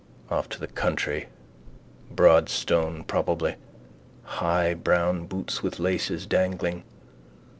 Off to the country: Broadstone probably. High brown boots with laces dangling.